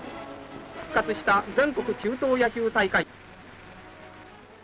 復活した全国中等野球大会。